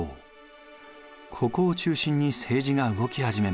ここを中心に政治が動き始めます。